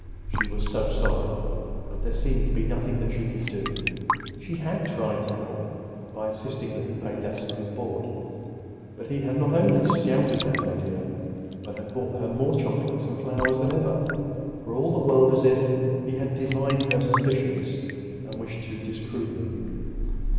She was so sorry!—but there seemed to be nothing that she could do. She had tried to help by insisting that he pay less for his board; but he had not only scouted that idea, but had brought her more chocolates and flowers than ever—for all the world as if he had divined her suspicions and wished to disprove them.